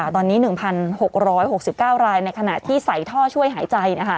ตอนนี้๑๖๖๙รายในขณะที่ใส่ท่อช่วยหายใจ